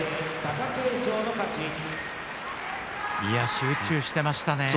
集中していましたね。